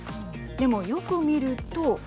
でも、よく見ると。